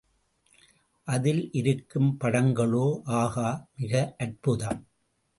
அதில் இருக்கும் படங்களோ ஆஹா, மிக அற்புதம்!